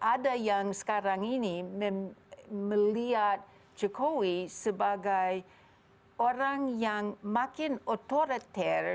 ada yang sekarang ini melihat jokowi sebagai orang yang makin otoriter